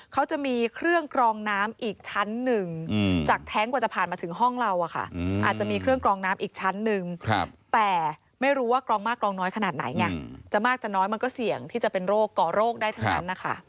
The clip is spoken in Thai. เขาจะมีเครื่องกรองน้ำอีกชั้นหนึ่งจากแท้งกว่าจะผ่านมาถึงห้องเราอาจจะมีเครื่องกรองน้ำอีกชั้นหนึ่งแต่ไม่รู้ว่ากรองมากกรองน้อยขนาดไหนไงจะมากจะน้อยมันก็เสี่ยงที่จะเป็นโรคก่อโรคได้ทั้งนั้นนะคะ